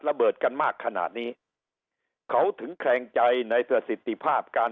ระเบิดกันมากขนาดนี้เขาถึงแคลงใจในประสิทธิภาพการ